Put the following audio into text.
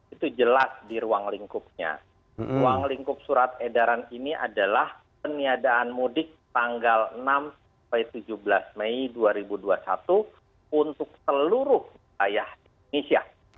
itu jelas di ruang lingkupnya ruang lingkup surat edaran ini adalah peniadaan mudik tanggal enam tujuh belas mei dua ribu dua puluh satu untuk seluruh wilayah indonesia